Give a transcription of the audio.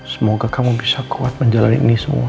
semoga kamu bisa kuat menjalani ini semua